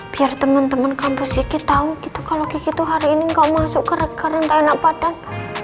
biar temen temen kampus kiki tau gitu kalo kiki tuh hari ini gak masuk ke reka renta enak badan